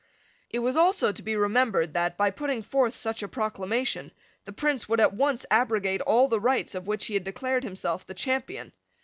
It was also to be remembered that, by putting forth such a proclamation, the Prince would at once abrogate all the rights of which he had declared himself the champion.